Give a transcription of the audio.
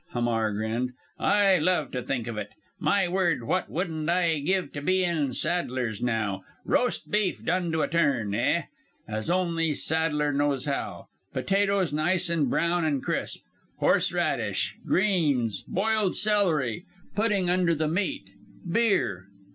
Hamar grinned; "I love to think of it. My word, what wouldn't I give to be in Sadler's now. Roast beef done to a turn, eh! As only Sadler knows how! Potatoes nice and brown and crisp! Horseradish! Greens! Boiled celery! Pudding under the meat! Beer!